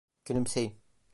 Gülümseyin.